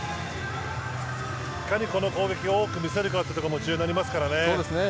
いかにこの攻撃を多く見せるかも重要になりますからね。